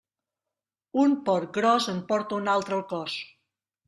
Un porc gros en porta un altre al cos.